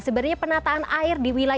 sebenarnya penataan air di wilayah